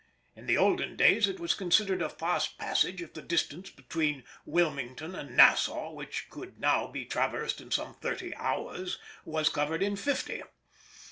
In the olden days it was considered a fast passage if the distance between Wilmington and Nassau, which now could be traversed in some thirty hours, was covered in fifty.